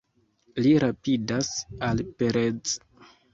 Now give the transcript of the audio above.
Li rapidas al Perez.